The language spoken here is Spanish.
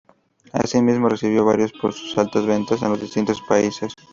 Asimismo, recibió varios por sus altas ventas en los distintos países.